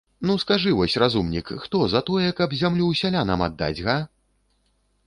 Ну, скажы вось, разумнік, хто за тое, каб зямлю сялянам аддаць, га?